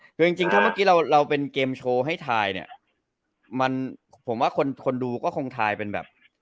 คือจริงจริงถ้าเมื่อกี้เราเราเป็นเกมโชว์ให้ทายเนี่ยมันผมว่าคนคนดูก็คงทายเป็นแบบ